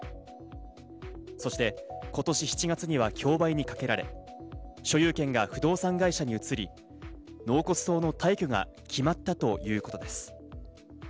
そして今年７月には競売にかけられ、所有権が不動産会社に移り、納骨堂の退去が決まったということです。